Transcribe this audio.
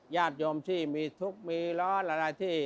ญาติโยมที่มีทุกข์มีร้อนอะไรที่